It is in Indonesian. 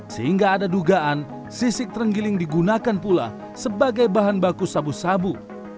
sehingga ada dugaan sisik terenggiling digunakan pula sebagai bahan baku sabu sabu